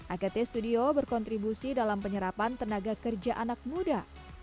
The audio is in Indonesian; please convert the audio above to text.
agat studio berkontribusi dalam penyerapan tenaga kerja anak muda